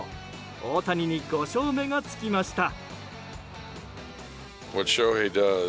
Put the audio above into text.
大谷に５勝目がつきました。